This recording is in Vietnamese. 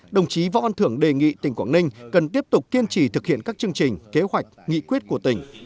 đồng chí võ văn thưởng đề nghị tỉnh quảng ninh cần tiếp tục kiên trì thực hiện các chương trình kế hoạch nghị quyết của tỉnh